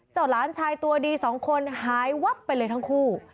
หลานชายตัวดีสองคนหายวับไปเลยทั้งคู่